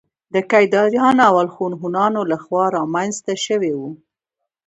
د کيداريانو او الخون هونانو له خوا رامنځته شوي وو